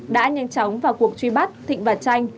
đã nhanh chóng vào cuộc truy bắt thịnh và tranh